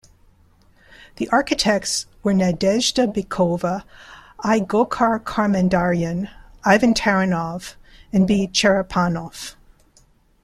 The architects were Nadezhda Bykova, I. Gokhar-Kharmandaryan, Ivan Taranov, and B. Cherepanov.